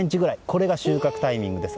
これが収穫タイミングです。